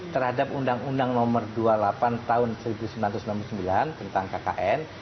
terhadap undang undang nomor dua puluh delapan tahun seribu sembilan ratus sembilan puluh sembilan tentang kkn